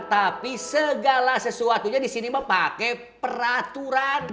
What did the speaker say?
tapi segala sesuatunya disini mah pake peraturan